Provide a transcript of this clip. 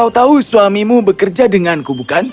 kau tahu suamimu bekerja denganku bukan